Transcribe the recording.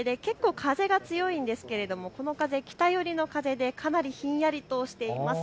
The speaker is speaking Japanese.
風が強いんですけれどもこの風、北寄りの風でかなりひんやりとしています。